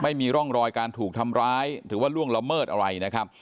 ไม่มีร่องรอยการถูกทำร้ายหรือว่าล่วงละเมิดอะไรนะครับ